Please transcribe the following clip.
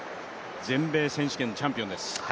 全米選手権のチャンピオンです。